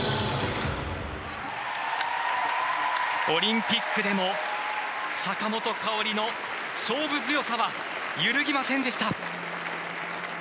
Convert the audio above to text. オリンピックでも坂本花織の勝負強さは揺るぎませんでした！